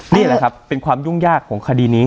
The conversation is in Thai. นี่แหละครับเป็นความยุ่งยากของคดีนี้